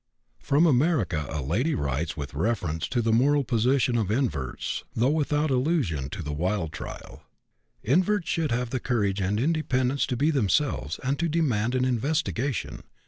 From America a lady writes with reference to the moral position of inverts, though without allusion to the Wilde trial: "Inverts should have the courage and independence to be themselves, and to demand an investigation.